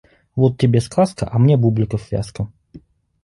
Вот тебе сказка, а мне бубликов вязка.